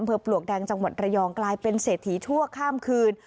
เพื่อปลวกแดงจังหวัดระยองกลายเป็นเศรษฐีชั่วข้ามคืน